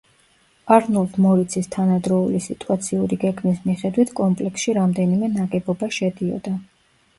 არნოლდ მორიცის თანადროული სიტუაციური გეგმის მიხედვით კომპლექსში რამდენიმე ნაგებობა შედიოდა.